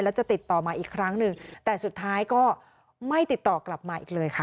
แล้วจะติดต่อมาอีกครั้งหนึ่งแต่สุดท้ายก็ไม่ติดต่อกลับมาอีกเลยค่ะ